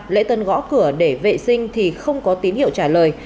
lễ tân gõ cửa để vệ sinh thì không có tín hiệu trả lời